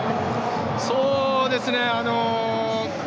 そうですね。